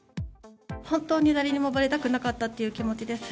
本当に誰にもばれたくなかったという気持ちです。